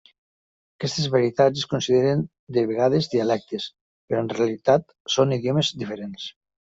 Aquestes varietats es consideren de vegades dialectes, però en realitat són idiomes diferents.